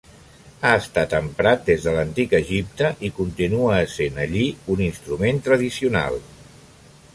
Ha estat emprat des de l'Antic Egipte i continua essent, allí, un instrument tradicional.